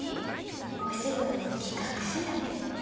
お仕事の企画書やで。